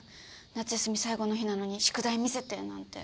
夏休み最後の日なのに宿題見せてなんて。